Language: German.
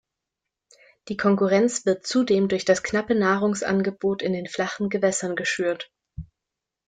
Die Konkurrenz wird zudem durch das knappe Nahrungsangebot in den flachen Gewässern geschürt.